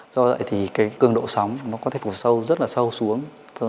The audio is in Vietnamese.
do vậy thì cái cường độ sóng nó có thể phủ sâu rất là sâu xuống